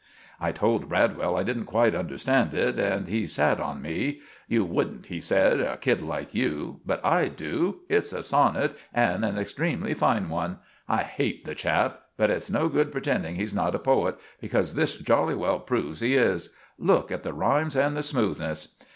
I told Bradwell I didn't quite understand it, and he sat on me. "You wouldn't," he said, "a kid like you. But I do. It's a sonnit, and an extramly fine one. I hate the chap, but it's no good pretending he's not a poet, because this jolly well proves he is. Look at the rimes and the smoothness!"